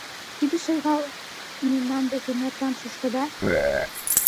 Тиде шагал — мемнан деке нердам шӱшкыда.